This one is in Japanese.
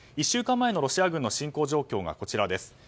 １週間前のロシア軍の侵攻状況がこちらです。